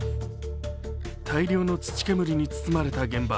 大量の土煙に包まれた現場。